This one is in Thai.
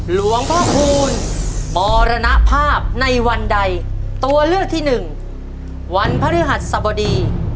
หลวงพ่อคูณมรณภาพในวันใดตัวเลือกที่หนึ่งวันพฤหัสสบดี